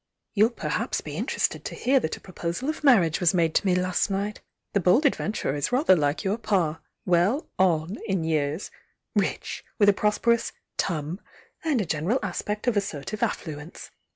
"You'll perhaps be interested to hear that a pro posal of marriage was made to me last night. The bold adventurer is rather like your Pa,— well 'on' in years, rich, with a prosperous 'turn' and a gen eral aspect of assertive affluence.